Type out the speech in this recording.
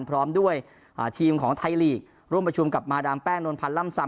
พร้อมด้วยทีมของไทยลีกร่วมประชุมกับมาดามแป้งนวลพันธ์ล่ำซำ